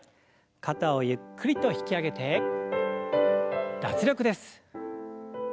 肩をゆっくりと引き上げて脱力です。